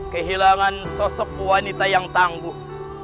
kehilangan sosok wanita yang tangguh